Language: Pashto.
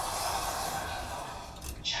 موږ به په ګډه د لوبې میدان پاک کړو.